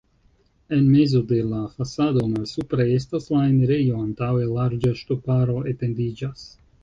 En mezo de la fasado malsupre estas la enirejo, antaŭe larĝa ŝtuparo etendiĝas.